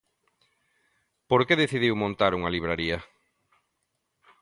Por que decidiu montar unha libraría?